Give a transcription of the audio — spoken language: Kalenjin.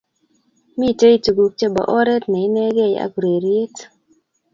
Mitei tuguk che bo oret ne inegei ak urereriet